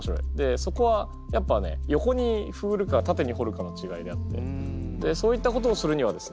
そこはやっぱね横に振るか縦に掘るかの違いであってそういったことをするにはですね